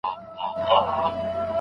موږ له سدیو ګمراهان یو اشنا نه سمیږو